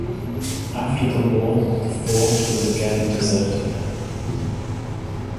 After the war, the fort was again deserted.